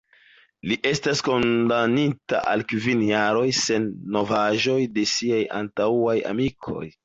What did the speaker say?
Li estas kondamnita al kvin jaroj, sen novaĵoj de siaj antaŭaj amikoj.